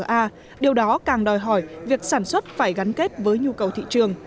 và điều đó càng đòi hỏi việc sản xuất phải gắn kết với nhu cầu thị trường